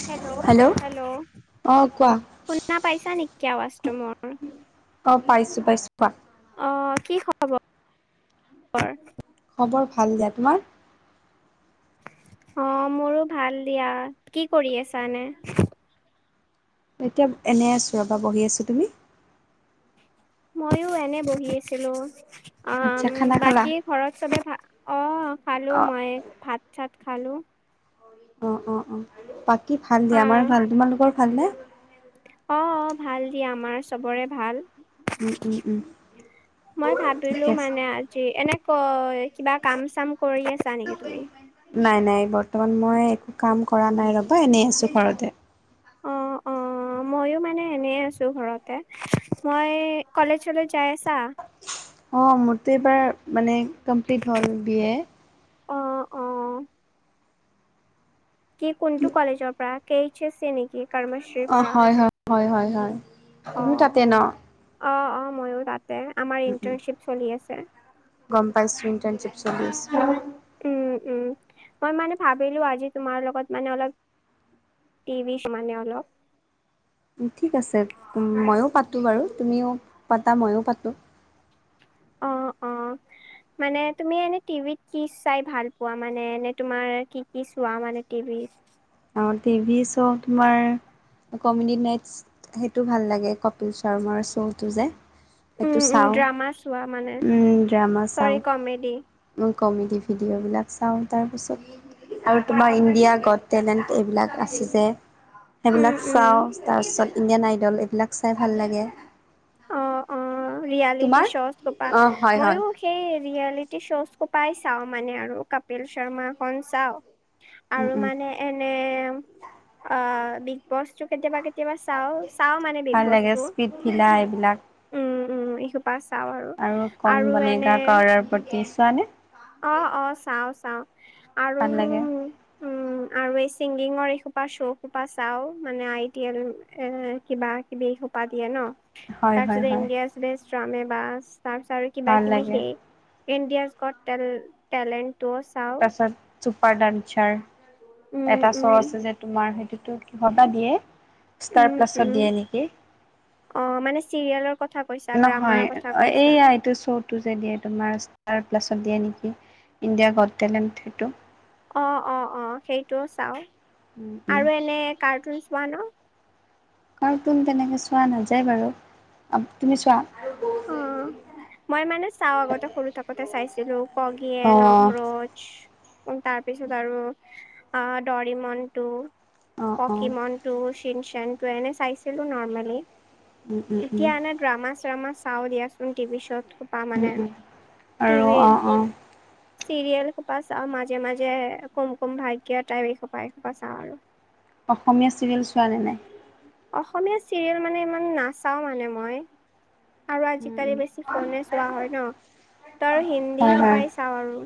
[unintelligible] Hello! অঁ কোৱা? শুনা পাইছা নেকি, আৱাজ তো মো--ৰ? অ' পাইছো পাইছো, কোৱা? অ' কি খ--ৰ? খবৰ ভাল দিয়া। তোমাৰ? অ' মোৰো ভাল দিয়া। কি কৰি আছা এনে? এতিয়া এনেই আছোঁ ৰ'বা বহি আছোঁ। তুমি? মইও এনে বহি আছিলো। অ, আচ্ছা খানা খালা বাকী ঘৰত চবে, অ' খালো অ মই ভাত চাত খালোঁ। অ' অ' অ'। বাকী ভাল দিয়া আমাৰ আহ ভাল। তোমালোকৰ ভালনে? অ' অ'। ভাল দিয়া আমাৰ চবৰে ভাল। উম উম উম মই লো ঠিকে আছে মানে আ জি এনে কয়, কিবা কাম চাম কৰি আছা নেকি? তুমি? নাই নাই বৰ্তমান মই একো কাম কৰা নাই ৰবা, এনেই আছো ঘৰতে। অ, অ। অঁ, ময়ো মানে এনেই আছোঁ ঘৰতে। মই, কলেজলৈ যাই আছা? অঁ, মোৰতো এইবাৰ মানে কমপ্লিট হ'ল বি এ। অ, অ। কি কোনটো কলেজৰ পৰা, কে এইচ এ নেকি? কৰ্মশ্ৰীৰ অ, পৰা হয়, হয়, হয়, হয়, হয়। অ তুমিও তাতে ন? অ, অ, মইও তাতে, আমাৰ উম উম ইণ্টাৰ্ণশ্বিপ চলি আছে। গম পাইছোঁ ইণ্টাৰ্ণশ্বিপ চলি আছ উম, উম, মই মানে ভাবিলো আজি তোমাৰ লগত মানে অলপ টিভি [unintelligible] মানে অলপ ও, ঠিক আছে ময়ো পাতোঁ বাৰু তুমিও পাতা, ময়ো পাতোঁ অ, অ' মানে তুমি এনে টিভিত কি চাই ভাল পোৱা মানে এনে তোমাৰ কি কি ছোৱা মানে টিভিত আৰু টিভিএছৰ' তোমাৰ কমেডি নাইটচ সেইটো ভাল লাগে, কপিল শৰ্মাৰ শ্ব'টো যে উম সেইটো উম চাওঁ, ড্ৰামা চোৱা মানে ও ড্ৰামা চৰি চাওঁ কমেডি এই কমেডি ভিডিঅ'বিলাক চাওঁ, তাৰপাছত আৰু তোমাৰ ইণ্ডিয়া গত টেলেণ্ট এইবিলাক আছে যে, উম সেইবিলাক উম চাওঁ, তাৰ পিছত ইণ্ডিয়ান আইডল, এইবিলাক চাই ভাল লাগে অ, অ, ৰিয়েলিটি তোমাৰ শ্ব'জ সোপা, অঁ হয় হয় মইও সেই ৰিয়েলিটি শ্ব'জ সোপাই চাও মানে আৰু কপিল শৰ্মাখন চাওঁ উম আৰু উম মানে এনে অ, বিগ বছটো কেতিয়াবা কেত তিয়াবা চাওঁ, চাওঁ মানে বিগ ভাল লাগে বছটো স্পীড ভিলা এইবিলাক উম, উম, এইসোপা চাও আৰু, আৰু এনে বাকী চোৱা নে? অ, অ, চাও, চাও। আৰু ভাল লাগে উম আৰু এই চিংগিঙৰ এই সোপা শ্ব' সোপা চাও, মানে আই টি এল, এ কিবা কিবি সোপা দিয়ে ন? হয় হয় তাৰপিছত হয় ইন্দিয়াজ‌ বেষ্ট ড্ৰামে বাজ, তাৰপিছত আৰু কিবা ভাল কিবি লাগে সেই ইণ্ডিয়াজ গট টেল টেলেণ্ট তাৰপিছত চুপাৰ ডান্সাৰ, উম এটা উম শ্ব' আছে যে তোমাৰ সেইটোতো কিহত বা দিয়ে, উম ষ্টাৰ উম প্লাছত দিয়ে নেকি! অ', মানে চিৰিয়েলৰ কথা কৈছা ড্ৰামাৰ নহয়, কথা কৈ আছা এইয়া এইটো শ্ব টো যে দিয়ে তোমাৰ ষ্টাৰ প্লাছত দিয়ে নেকি, ইণ্ডিয়াজ গট টেলেণ্ট সেইটো অ, অ, অ, সেইটোও চাও। আৰু এনে কাৰ্টুন চোৱা ন? কাৰ্টুন তেনেকে চোৱা নাযায় বাৰু, তুমি চোৱা? অ', মই মানে চাও আগতে সৰু থাকোতে চাইছিলো অ অ কগিয়েন, অক্ৰোচ উ তাৰপিছত আৰু আ দৰিমনটো, অ পকী মন টো, চিনচেনটো, এনে চাইছিলো নৰ্মেলি, এতিয়া এনে ড্ৰামা চামা চাও দিয়াচোন টিভি শ্ব'ত সোপা মানে, টি আৰু ভিৰ অ অ চিৰিয়েল সোপা চাওঁ মাজে মাজে, কুম কুম ভাগ্য টাইপ, এইসোপা এসোপা চাওঁ আৰু অসমীয়া চিৰিয়েল চোৱ নে নাই? অসমীয়া চিৰিয়েল মানে ইমান নাচাও মানে মই আৰু উম, আজিকালি উম, বেছি ফোনে চোৱা হয় ন? প্ৰায় হিন্দী হয়, হয়। সোপাই চাও আৰু,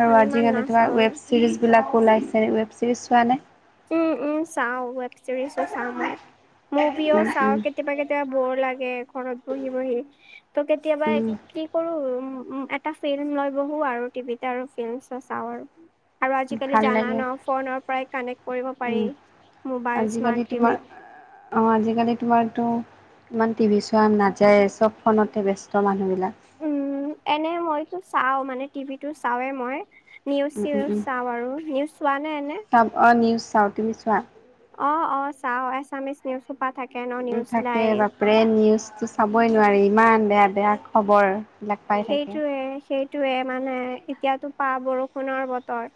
আৰু মানে ইমান আজিকালি নাচ ৱেব চিৰিজ বিলাক ওলাইছে ৱেব চিৰিজ চোৱা নে। উম, উম চাও, ৱেব চিৰিজো চাওঁ মই, মুভিও উম, চাওঁ কেতিয়াবা, কেতিয়াবা বৰ লাগে ঘৰত বহি বহি, ত' কেতিয়াবা উম, উম, কি কৰোঁ, উম এটা ফিল্ম লৈ বহো আৰু টিভিত আৰু ফিল্ম চ চাওঁ আৰু। আৰু আজিকালি ভাল জানা লাগে ন ফোনৰ পৰাই কানেক্ট কৰিব পাৰি উম, মোবাইল স্মাৰ্ট আজিকালি টিভি তোমাৰ, আহ আজিকালি তোমাৰতো ইমান টিভি চোৱা নাযায়, চব ফোনতে ব্যস্ত মানুহবিলাক। উম, এনে মইতো চাও মানে টিভিটো চাওৱে মই। নিউজ উম, উম, চিউজ উম, চাওঁ আৰু, নিউজ চোৱা নে এনে? অ', নিউজ চাওঁ, তুমি চোৱা? অ', অ', চাও, এছামিচ নিউজ থাকে ন উম, নিউজ তাকে লাইভ। বাপৰে নিউজটো চাবই নোৱাৰি ইমান বেয়া, বেয়া খবৰ। বিলাক পাই থাকে। সেইটোয়ে, সেইটোয়ে মানে, এতিয়াতো পা বৰষুণৰ বতৰ।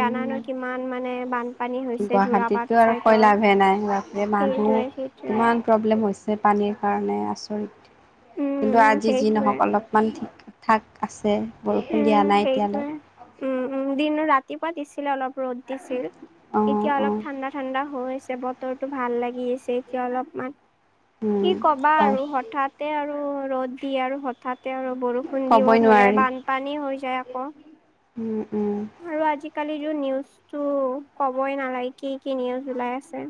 জানান কিমান মানে বানপানী হৈছে যোৰাবাট গুৱাহাটীততো আৰু কৈ চাইডত, লাভে নাই বাপৰে মানুহ সেইটোৱে সেই উম। কিমান প্ৰব্লেম হৈছে পানীৰ কাৰণে আচৰিত, উম, কিন্তু উম, আজি যি সেইটোৱে নহওঁক অলপমান ঠিক ঠাক আছে, বৰষুণ দিয়া উম, নাই এতিয়ালৈ। সেইটোৱে। উম, উম, দিন ৰাতিপুৱা দিছিলে অলপ ৰ'দ দিছিল, অঁ এতিয়া অলপ অঁ ঠাণ্ডা, ঠাণ্ডা হৈছে ব তৰটো ভাল লাগি আছে এতিয়া অলপমান, কি কবা হয় আৰু হঠাতে আৰু ৰ'দ দি আৰু হঠাতে আৰু বৰষুণ দিব ক'বই ধৰে নোৱাৰি বান পানী হৈ যায় আকৌ। উম, উম। আৰু আজিকালি টো নিউজতটো ক'বই নালাগে কি, কি নিউজ ওলাই আছে।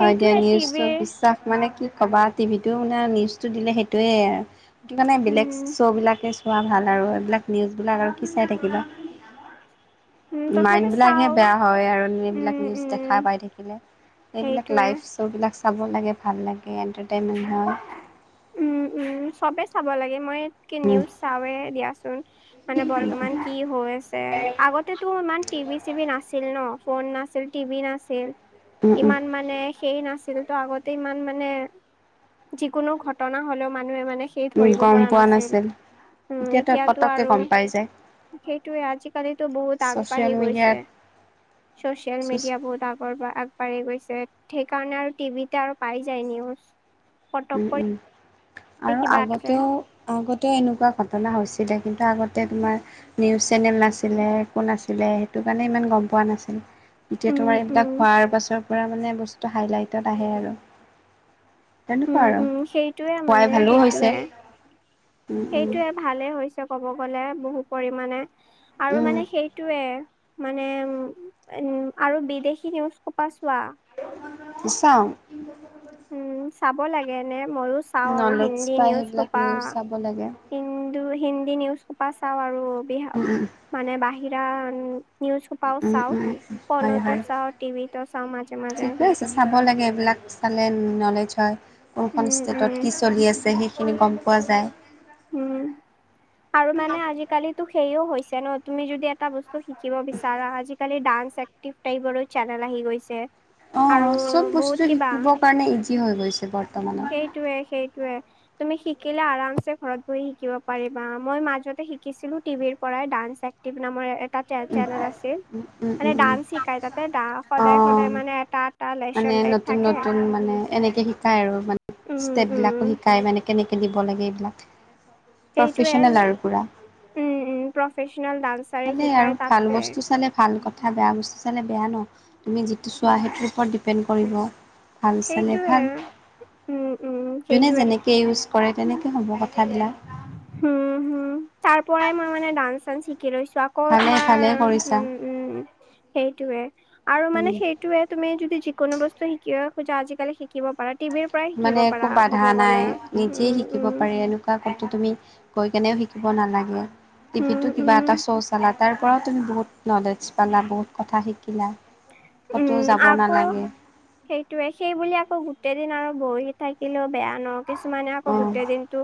হয় দিয়া নিউজটো টিভিৰ বিশ্বাস মানে কি ক'বা টিভিটো মানে নিউজটো দিলে সেইটোৱেই সেইটো কাৰণে বেলেগ উম শ্ব'বিলাকে চোৱা ভাল আৰু এইবিলাক নিউজবিলাক আৰু কি চাই থাকিবা। উম মাইণ্ড তথাপি বিলাকহে চাও বেয়া হয় আৰু এইবিলাক উম নিউজ উম দেখা পাই থাকিলে। এইবিলাক সেইটোৱে লাইভ শ্ব'বিলাক চাব লাগে ভাল লাগে এণ্টাৰটেইনমেণ্ট হয়। উম, উম চবে চাব লাগে মইকে উম, নিউজ চাওঁৱে দিয়াচোন। মানে বৰ্তমান কি হৈ আছে, আগতেতো ইমান টিভি চিভি নাছিল ন। ফোন নাছিল টিভি নাছিল। উম, উম, ইমান মানে সেই নাছিল তো আগতে ইমান মানে, যিকোনো ঘট ঘটনা হ'লেও মানুহে মানে সেই উম, ধৰিব গ'ম পৰা পোৱা নাছিল, এতিয়াতো পতককে গম পাই যায়। সেইটোৱে, আজিকালিতো বহুত ছ'চিয়েল আগবাঢ়ি মিডিয়াত গৈছে। ছ'চিয়েল মিডিয়া বহুত আগৰ বাগ বাঢ়ি গৈছে, সেইকাৰণে আৰু টিভিতে আৰু পাই যায় নিউজ। পটক উম, কৰি উম আৰু কিবা এটা যায়। আগতেও আগতেও এনেকুৱা ঘটনা হৈছিলে, কিন্তু আগতে তোমাৰ নিউজ চেনেল নাছিলে একো নাছিলে, সেইটো কাৰণে ইমান গ'ম পোৱা নাছিল। এতিয়া উম, তোমাৰ উম, এইবিলাক হোৱাৰ পাছৰ পৰা মানে বস্তু হাইলাইটত আহে আৰু। তেনেকুৱা উম, আৰু উম, সেইটোয়ে হোৱাই মানে ভালো হৈছে। সেইটোয়ে, উম, উম, সেইটোয়ে ভালে হৈছে ক'ব গলে বহু পৰিমানে, আৰু উম, মানে সেইটোয়ে। মানে উম, উম আৰু বিদেশী নিউজ খোপা চোৱা। চাওঁ। উম চাব লাগে এনে, ময়ো চাওঁ আৰু নলেজ হিন্দী পায় নিউজ সেইবিলাক খোপা। নিউজ চাব লাগে। হিন্দু হিন্দী নিউজ খোপা চাওঁ আৰু বিহা উম, উম, উম। মানে বাহিৰা উম। নিউজ সোপাও উম, চাওঁ উম, হয়, ফনতো হয়। চাওঁ টিভিতো চাওঁ মাজে মাজে। ঠিকে আছে চাব লাগে এইবিলাক চালে নলেজ হয় কোনখন উম, ষ্টেটত উম, কি চলি আছে। সেই সেইখিনি গম পোৱা যায়। উম আৰু মানে আজিকালিতো সেইও হৈছে ন, তুমি যদি এটা বস্তু শি শিকিব বিচাৰা, আজিকালি ডান্স এক্টিভ টাইপৰো চেনেল আহি গৈছে। অ অ আৰু চব বহুত বস্তু কিবা শিকিবৰ কাৰণে ইজি হৈ গৈছে বৰ্তমানত। সেইটোৱে সেইটোৱে। তুমি শিকিলা আৰামচে ঘৰত বহি শিকিব পাৰিবা, মই মাজতে শিছিলো টিভিৰ পৰাই ডান্স চাই। নামৰে এটাত। উম, চেনেল আছিল, উম, উম, মানে উম, উম, ডান্স শিকাই তাতে সদায় সদায় অ'। মানে তাত মানে নতুন নতুন মানে এনেকে শিক শিকায় আৰু মানে উম ষ্টেপবিলাকো উম শিকায় মানে কেনেকে দিব লাগে এইবিলাক। সেইটোৱে, প্ৰফেচনেল আৰু পুৰা। উম উম প্ৰফেচনেল ডান্স চালে আৰু ভাল বস্তু চালে ভাল ক কথা বেয়া বস্তু চালে বেয়া ন, তুমি যিটো চোৱা সেইটোৰ ওপৰত ডিপেণ্ড কৰিব। ভাল চালে সেইটোৱে ভাল, উম উম যোনে সেইটোৱে যেনেকে ইউজ কৰে তেনেকে হ'ব কথাবিলাক। হম, হম তাৰ পৰাই মই মানে ডান্স চান্স শিকি লৈছো। আকৌ ভালে তোমাৰ ভালে কৰিছা উম উম সেইটোয়ে আৰু মানে উম সেই সেইটোৱে তুমি যদি যিকোনো বস্তু শিকিব খোজা আজিকালি শিকিব পাৰা টিভিৰ পৰাই শিকিব মানে পাৰা। একো ক'ব বাধা গ'লে নাই নিজে উম, শিকিব উম, পাৰে এনে আকৌ তুমি গৈ কেনেও শিকিব নালাগে, উম, টিভিতো কিবা এটা উম, শ্ব' চালা। তাৰ পৰাও তুমি বহুত নলেজ পালা বহুত কথা শিকিলা। ক'তো যাব নালাগে। সেইটোৱে সেই বুলি আকৌ গোটেই দিন আৰু বহি থাকিলেও বেয়া ন। কিছুমানে আকৌ অ গোটেই দিনটো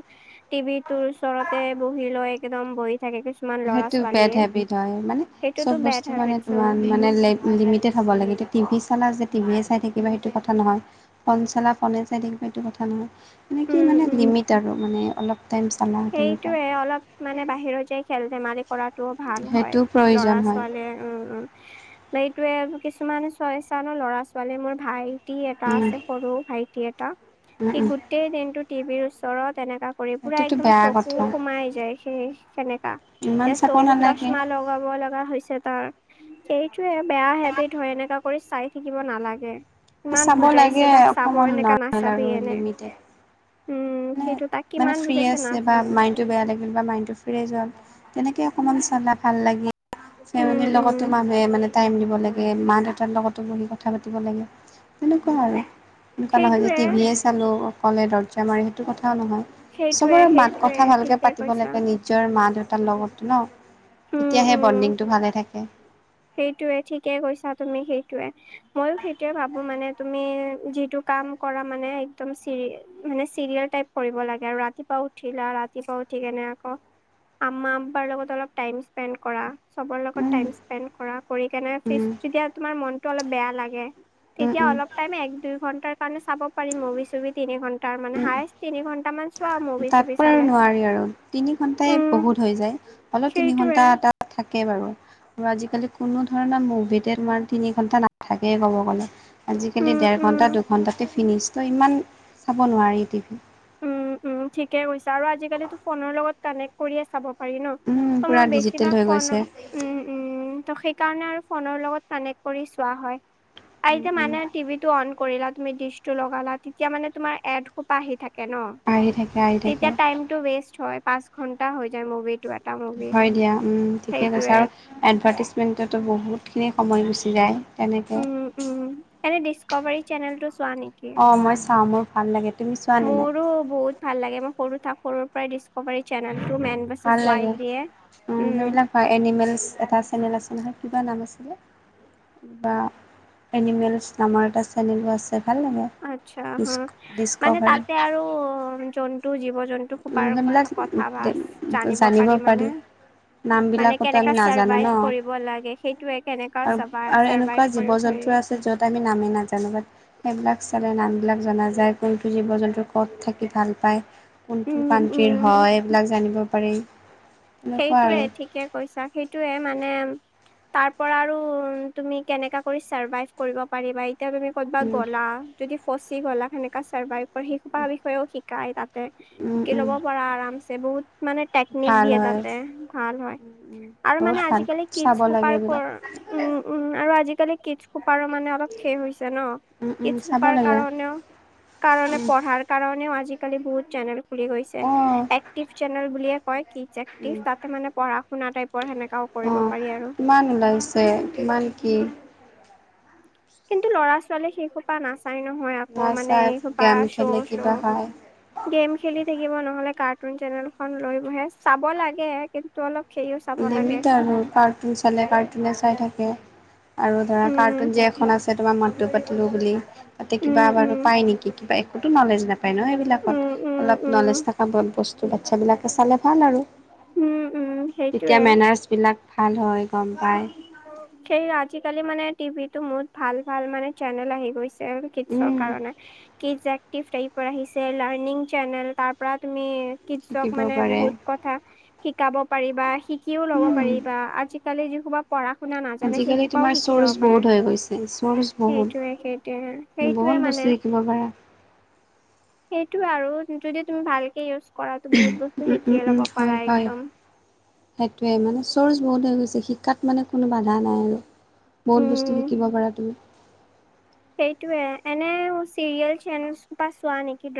টিভিতোৰ ওচৰতে বহি লৈ একদম বহি থাকে। কিছুমান ল'ৰা সেইটো বেড ছোৱালীয়ে। হেবিট হয়, মানে সেইটোতো চব বেড বস্তু মানে হেবিটছ তোমাৰ হয় মানে লেত লিমিটেড হ'ব লাগে, এতিয়া টিভি চালা যে টিভিয়ে চাই থাকিবা সেইটো কথা নহয়। ফোন চালা ফনে চাই থাকিবা এইটো কথা নহয়, মানে কি উম, মানে উম। লিমিট আৰু মানে অলপ টাইম চালা তেনেকুৱা। সেইটোৱে অলপ মানে বাহিৰত যায় খেল ধেমালি কৰাটোও ভাল হয়, সেইটো লৰা প্ৰয়োজন হয় ছোৱালীয়ে উম উম। এইটোৱে কিছুমান চয়চানৰ ল'ৰা ছোৱালী মোৰ ভাইটি এটা উম আছে সৰু ভাই। উম সি উম গোটেই দিনটো টিভিৰ ওচৰত এনেকা কৰি পুৰা সেইটোতো একদম বেয়া চকু কথা সোমাই যায় সেই তেনেকা ইমান এতিয়া চাব চকুত নালাগে চশমা ল লগাব লগা হৈছে তাৰ, সেইটোয়ে বেয়া হেবিট ধৰ এনেকা। কৰি চাই থাকিব নালাগে ইমান চাব বুজাইছে লাগে তাক চাব অকণমান এনেকা নৰ্মেল নাচাবি আৰু এনে। লিমিটেড উম মানে সেইটো তাক মানে কিমান ফ্ৰী বুজাইছে না। আছে বা মাইণ্ডটো বেয়া লাগিল বা মাইণ্ডটো ফ্ৰেছ হল তেনেকে অকণমান চালা ভাল লাগিল। উম ফেমিলিৰ উম লগতো মানুহে মানে টাইম দিব লাগে মা দেউতাৰ লগতো বহি কথা পাতিব লাগে, তেনেকুৱা আৰু। এনেকুৱা নহয় যে সেইটোৱে টিভিয়ে চালোঁ অকলে দৰ্জা মাৰি সেইটো কথাও নহয়। সেইটোৱে চবৰে মাত সেইটোৱে কথা ভালকে ঠিকে পাতিব কৈছা লাগে নিজ নিজৰ মা দেউতাৰ লগত ন' উম তেতিয়াহে উম বণ্ডিংটো ভালে থাকে। সেইটোৱে ঠিকে কৈছা তুমি সেইটোৱে। ময়ো সেইটোয়ে ভাবোঁ মানে তুমি, যিটো কাম কৰা মানে একদম চিৰি মানে চিৰিয়েল টাইপ কৰিব লাগে, আৰু ৰাতিপুৱা উঠিলা ৰাতিপুৱা উঠি কেনে আকৌ আম্মা আবাৰ লগত অলপ টাইম স্পেণ্ড কৰা, চবৰ লগত উম টাইম স্পেণ্ট স্পেণ্ড কৰা কৰি কেনে ফিচ উম যেতিয়া তোমাৰ মনটো অলপ বেয়া লাগে, উম তেতিয়া উম অলপ এক দুই ঘন্টাৰ কাৰণে চাব পাৰি মুভি- চুভি তিনি ঘন্টাৰ মানে উম হায়েষ্ট তিনি ঘণ্টা মান তাতকৈ আৰু নোৱাৰি আৰু তিনি ঘণ্টাই উম বহুত হৈ যায়, অলপ তিনি ঘন্টা সেইটোৱে এটা থাকে বাৰু। আজিকালি কোনো ধৰণৰ মুভিতে তোমাৰ তিনি ঘন্টা নাথাকেই ক'ব গ'লে। আজিকালি উম ডেৰ ঘণ্টা উম দুঘণ্টাতে ফিনিছ ত' ইমান চাব নোৱাৰি টিভি। উম, উম, ঠিকে কৈছা আৰু আজিকালিতো ফোনৰ লগত কানেক্ট কৰিয়ে চাব পাৰি ন উম, ত' পুৰা মই ডিজিটেল বেছিভাগ হৈ ফোন গৈছে। উম, উম, ত' সেইকাৰণে আৰু ফোনৰ লগত কানেক্ট কৰি চোৱা হয়, আই উম, যে উম। মানে টিভি টো অন কৰিলা তুমি ডিচ টো লগালা, তেতিয়া মানে তোমাৰ এড সোপা আহি থাকে ন' আহি থাকে আহি থাকে তেতিয়া টাই ৱেষ্ট হয়, পাঁচ ঘন্টা হৈ যায় মুভিটো। এটা মুভি হয় দিয়া উম, ঠিকে কৈছা সেইটোৱে আৰু এডভাৰ্টিজমেণ্টতো বহুতখিনি সময় গুচি যায়। তেনেকে। উম উম, এনে ডিছকভাৰী চেনেলটো চোৱা নেকি? অ', মই চাওঁ মোৰ ভাল লাগে। তুমি চোৱা নে নাই? মোৰো বহুত ভাল লাগে, মই সৰু থাক সৰুৰ পৰাই ডিচকভাৰী চেনেলটো মেন বাচছ ভাল লাগে। ৱাইল্ড দিয়ে অ', উম। সেইবিলাক বা এনিমেলছ এটা চেনেল আছে নহয়, কিবা নাম আছিলে কিবা এনিমেলছ নামৰ এটা চেনেলো আছে। ভাল লাগে অটচ্ছা হম, মানে ডিস্কভাৰী তাতে আৰু জন্তু জীৱ জন্তু পুহাৰ সেইবিলাক কথা বা জানিব পাৰি মানে! মানে নামবিলাকতো আমি কেনেকা নাজানো ন চাৰভাইভ কৰিব লাগে, সেইটোৱে কেনেকা আৰু আৰু এনেকুৱা চাৰাইভ জীৱ কৰিব পাৰি। জন্তু আছে য'ত আমি নামেই নাজানো বাট সেইবিলাক চালে নামবিলাক জনা যায়, কোনটো জীৱ জন্তু ক'ত থাকি ভাল পায়। কোনটো উম উম কানন্ট্ৰীৰ হয়, এইবিলাক জানিব পাৰি। তেনেকুৱা আৰু সেইটোয়ে ঠিকে কৈছা, সেইটোৱে মানে তাৰ পৰা আৰু তুমি কেনেকা কৰি চাৰ্ভাইভ কৰিব পাৰিবা এতিয়া তুমি ক'ৰবা উম গ'লা যদি ফচি গ'লা সেনেকা চাৰ্ভাইভ কৰে সেইসোপা বিষয়েও শিকায় তাত। উম শিকি উম ল'ব পাৰা আৰামছে বহুত মানে টেকনিক ভাল দিয়ে তাত। হয় ভাল হয়, উম, উম, আৰু বহুত মানে ভাল আজিকালি কিড চাব লাগে সোপাৰ এইবিলাক। ওপৰত উম, উম, আৰু আজিকালি কিডচ সোপাৰো মানে অলপ অলপ শেষ হৈছে ন, উম, উম, কিডছ চাব সোপাৰ লাগে কাৰণেও কাৰণে, উম, পঢ়াৰ কাৰণেও আজিকালি বহুত চেনেল খুলি গৈছে, অ', একটিভ চেনেল বুলিয়ে কয় কিডছ উম, একটিভ তাতে মানে পঢ়া শুনা না টাইপৰ সেনেকাও কৰিব অ', পাৰি আৰু। কিমান ওলাইছে, কিমান কি! কিন্তু ল'ৰা ছোৱালী সেইসোপা নাচায় নহয়, আকৌ নাই মানে চাই এই সোপা গেম খেলে শ্ব' কিবা শ্ব'। খায়। গেম খেলি থাকিব নহ'লে কাৰ্টুন চেনেলখন লৈ বহে চাব লাগে, কিন্তু অলপ সেইও চাব লাগে। লিমিট আৰু কাৰ্টুন চালে কাৰ্টুনে চাই থাকে। আৰু ধৰা উম কাৰ্টুন যে এখন আছে তোমাৰ মটো-পতলু বুলি। তাতে উম কিবা উম বাৰু পায় নেকি কিবা কতো নলেজ নাপায় ন উম সেইবিলাকত। উম অলপ উম। নলেজ থকা বস্তু বাচ্ছাবিলাকে চালে ভাল আৰু। উম' উম। তেতিয়া সেইটোয়ে। মেনাৰছ বিলাক ভাল হয়, গম পায়। সেই আজিকালি মানে টিভি টো মোত ভাল ভাল মানে চেনেল আহি গৈছে। কিটছৰ উম। কাৰণে। কিটছ এক কিচ এইপাৰ আহিছে, লাৰনিঙ চেনেল তাৰ পৰা তুমি কিটচক শিকিব মানে পাৰে বহুত ক কা শিকাব পাৰিবা, শিকিও ল'ব উম পাৰিবা আজিকালি যিসমবা পঢ়া শুনা নাজানে আজিকালি সেইসোপাও তোমাৰ শিকি ল'ব চ'ৰিচ পাৰা। বহুত হৈ গৈছে চ'ৰিচ সেইটোয়ে সেইটোয়ে বহুত। সেইটোয়ে বহুত মানে। বস্তু শিকিব পাৰা। সেইটোৱে আৰু যদি তুমি ভালকে ইউজ কৰা বহুত বহুতো উম উম শিকিএ উম ল'ব হয় পাৰা হয় একদম। সেইটোৱে মানে চ'ৰ্চ বহুত হৈ গৈছে শিক্ষাত মানে কোনো বাধা নাই। বহুত উম, বস্তু শিকিব পাৰা তুমি। সেইটোয়ে এনে চিৰিয়েল চেনচ'পা চোৱা নেকি